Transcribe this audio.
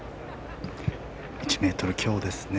１ｍ強ですね。